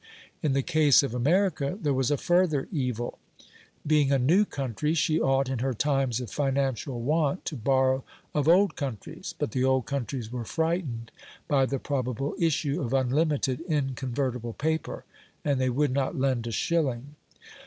In the case of America there was a further evil. Being a new country, she ought in her times of financial want to borrow of old countries; but the old countries were frightened by the probable issue of unlimited inconvertible paper, and they would not lend a shilling.